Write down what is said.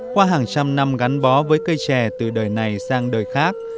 qua hàng trăm năm gắn bó với cây trẻ từ đời này sang đời khác